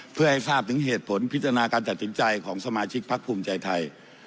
เพื่อให้ทราบถึงเหตุผลพิจารณาการตัดสินใจของสมาชิกพักภูมิใจไทย